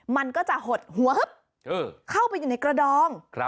มันก็จะหดหัวเข้าไปอยู่ในกระดอง